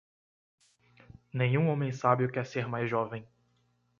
Nenhum homem sábio quer ser mais jovem.